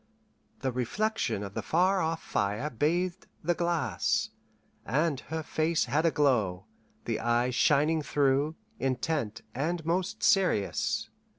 The reflection of the far off fire bathed the glass, and her face had a glow, the eyes shining through, intent and most serious.